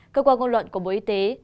cơ quan ngôn luận của bộ y tế